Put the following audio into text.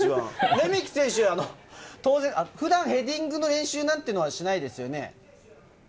レメキ選手、普段、ヘディングの練習などはしないですよね？